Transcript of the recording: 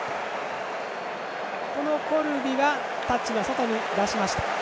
コルビはタッチの外に出しました。